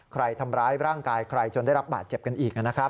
ทำร้ายร่างกายใครจนได้รับบาดเจ็บกันอีกนะครับ